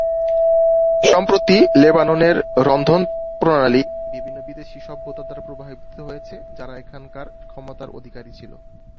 সম্প্রতি লেবাননের রন্ধনপ্রণালী বিভিন্ন বিদেশী সভ্যতা দ্বারা প্রভাবিত হয়েছে যারা এখানকার ক্ষমতার অধিকারী ছিল।